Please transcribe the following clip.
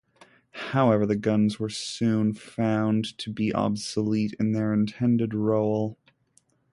However, the guns were soon found to be obsolete in their intended role.